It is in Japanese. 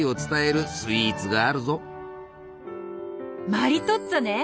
マリトッツォね！